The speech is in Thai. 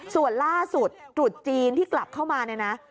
ส่วนล่าสุดตรุษจีนที่กลับเข้ามาเนี่ยนะ